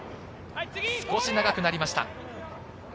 少し長くなりました。